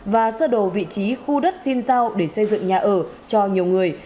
và sơ đồ vị trí khu đất xin giao để xây dựng nhà ở cho nhiều người